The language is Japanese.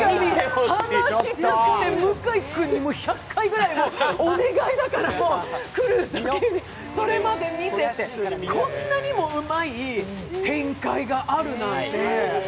話したくて向井君にもう１００回くらい、お願いだから来るまでにそれまで見てって、こんなにもうまい展開があるなんて。